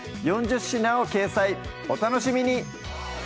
４０品を掲載お楽しみに！